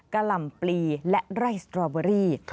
กล่ำปลีและไร่สตรอเบอรี่